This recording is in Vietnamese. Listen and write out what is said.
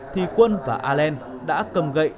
thì quân và a len đã cầm gậy